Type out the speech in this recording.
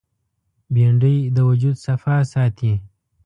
بېنډۍ د وجود صفا ساتي